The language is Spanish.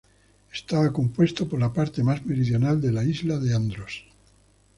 Estaba compuesto por la parte más meridional de la isla de Andros.